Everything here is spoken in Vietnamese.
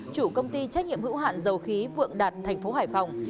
chủ công ty trách nhiệm hữu hạn dầu khí vượng đạt thành phố hải phòng